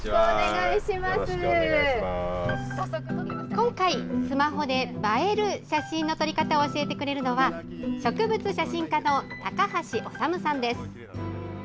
今回スマホで映える写真の撮り方を教えてくれるのは植物写真家の高橋修さんです。